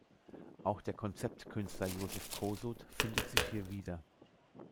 Auch der Konzeptkünstler Joseph Kosuth findet sich hier wieder.